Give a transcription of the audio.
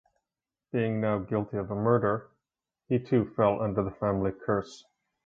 Being now guilty of a murder, he too fell under the family curse.